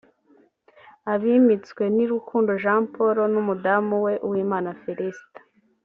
Abimitswe ni Rukundo Jean Paul n’umudamu we Uwimana Félicité